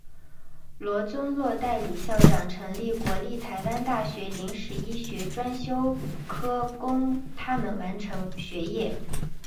罗宗洛代理校长成立国立台湾大学临时医学专修科供他们完成学业。